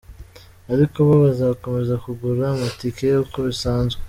Ariko bo bazakomeza kugura amatike uko bisanzwe.